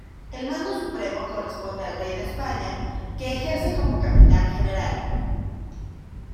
El mando supremo corresponde al rey de España, que ejerce como capitán general.